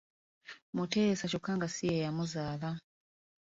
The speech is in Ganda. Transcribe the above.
Muteesa kyokka nga si ye yamuzaala.